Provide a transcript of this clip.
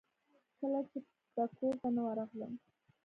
کله چې به کورته نه ورغلم.